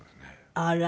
あら。